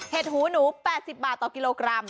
หูหนู๘๐บาทต่อกิโลกรัม